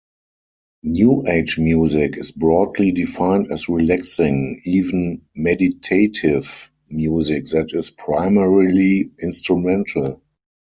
New-age music is broadly defined as relaxing, even "meditative", music that is primarily instrumental.